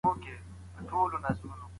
اسلام د ملکیت لپاره حد ټاکلی دی.